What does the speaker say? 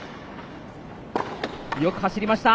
よく走りました。